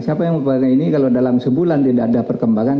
siapa yang mau pakai ini kalau dalam sebulan tidak ada perkembangan